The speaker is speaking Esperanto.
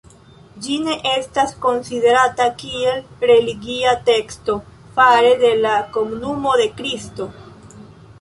Ĝi ne estas konsiderata kiel religia teksto fare de la Komunumo de Kristo.